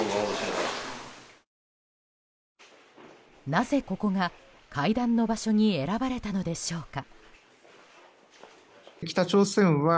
なぜ、ここが会談の場所に選ばれたのでしょうか。